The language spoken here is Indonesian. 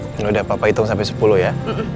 yaudah papa hitung sampe sepuluh ya